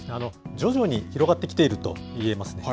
徐々に広がってきているといえます。